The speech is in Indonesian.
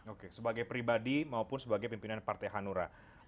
oke sebagai pribadi maupun sebagai pimpinan partai hanura